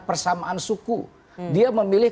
persamaan suku dia memilih